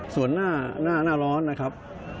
ส่วนหน้าร้อนนะครับ